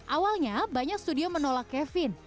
awalnya banyak studio menolak kevin